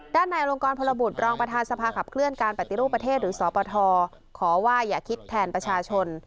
ในอลงกรพลบุตรรองประธานสภาขับเคลื่อนการปฏิรูปประเทศหรือสปทขอว่าอย่าคิดแทนประชาชน